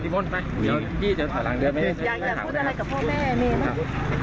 อยากอยากพูดอะไรกับพ่อแม่แม่มาก